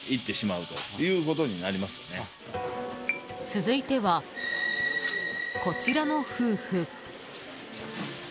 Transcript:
続いては、こちらの夫婦。